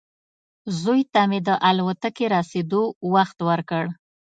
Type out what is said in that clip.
زوی ته مې د الوتکې رسېدو وخت ورکړ.